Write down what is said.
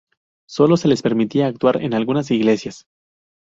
Sólo se les permitía actuar en algunas iglesias.